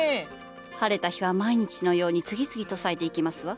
晴れた日は毎日のように次々と咲いていきますわ。